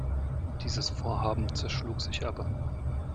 Dieses Vorhaben zerschlug sich aber.